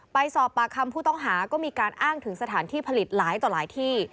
ไปสอบปากคำผู้ต้องหาก็มีการอ้างถึงสถานที่ผลิตหลายต่อหลายที่